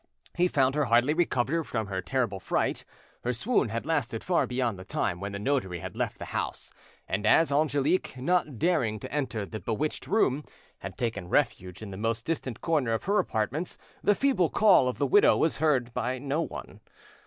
He found her hardly recovered from her terrible fright. Her swoon had lasted far beyond the time when the notary had left the house; and as Angelique, not daring to enter the bewitched room, had taken refuge in the most distant corner of her apartments, the feeble call of the widow was heard by no one.